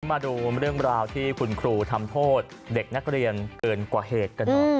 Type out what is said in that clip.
มาดูเรื่องราวที่คุณครูทำโทษเด็กนักเรียนเกินกว่าเหตุกันหน่อย